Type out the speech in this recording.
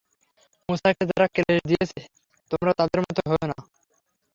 মূসাকে যারা ক্লেশ দিয়েছে, তোমরা তাদের মত হয়ো না।